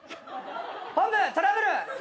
本部トラブル！